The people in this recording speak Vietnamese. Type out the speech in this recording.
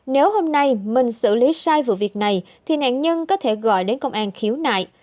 nếu hôm nay mình xử lý sai vụ việc này thì nạn nhân có thể gọi đến công an khiếu nại